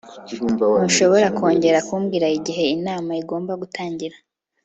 ntushobora kongera kumbwira igihe inama igomba gutangira